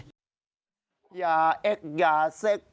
อย่าเอ็กซ์อย่าเซ็กซ์